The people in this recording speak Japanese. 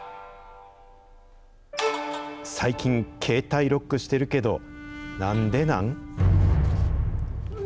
最近携帯ロックしてるけど、なんでなん？